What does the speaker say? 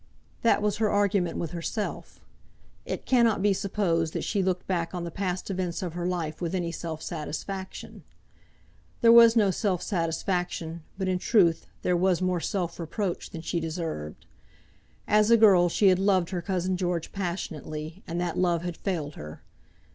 That was her argument with herself. It cannot be supposed that she looked back on the past events of her life with any self satisfaction. There was no self satisfaction, but in truth there was more self reproach than she deserved. As a girl she had loved her cousin George passionately, and that love had failed her.